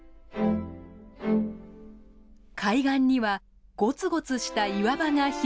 海岸にはごつごつした岩場が広がります。